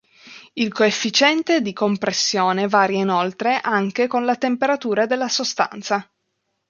Il coefficiente di compressione varia inoltre anche con la temperatura della sostanza.